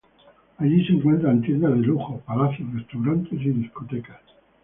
Allí se encuentran tiendas de lujo, palacios, restaurantes y discotecas.